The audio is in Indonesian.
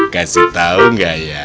kasih tau nggak ya